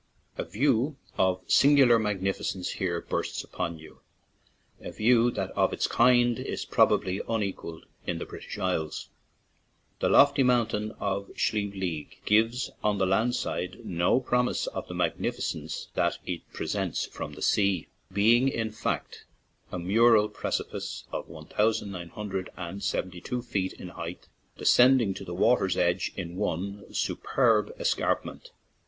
A view of singular magnificence here bursts upon you— a view that of its kind is probably unequalled in the British Isles. The lofty mountain of Slieve League gives 4 49 ON AN IRISH JAUNTING CAR on the land side no promise of the magnif icence that it presents from the sea, being in fact, a mural precipice of one thousand nine hundred and seventy two feet in height, descending to the water's edge in one superb escarpment